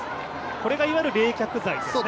これがいわゆる冷却剤ですね。